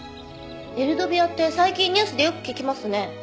エルドビアって最近ニュースでよく聞きますね。